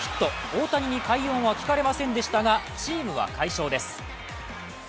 大谷に快音は聞こえませんでしたがチームは快勝です。